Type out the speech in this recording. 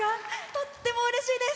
とってもうれしいです！